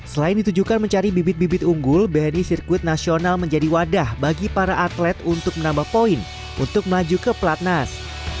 selain ditujukan mencari bibit bibit unggul bni sirkuit nasional menjadi wadah bagi para atlet untuk menambah poin untuk melaju ke pelatnas